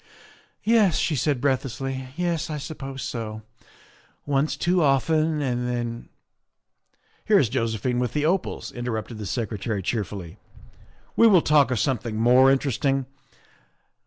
" Yes," she said breathlessly, " yes, I suppose so. Once too often, and then " Here is Josephine with the opals," interrupted the Secretary cheerfully. '' We will talk of something more interesting.